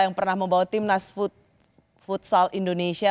yang pernah membawa timnas futsal indonesia